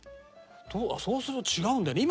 そうすると違うんだ。